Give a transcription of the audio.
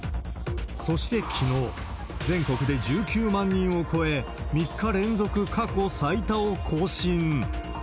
そしてきのう、全国で１９万人を超え、３日連続過去最多を更新。